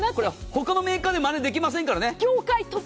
ほかのメーカーでまねできませんからね。